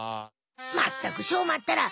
まったくしょうまったら！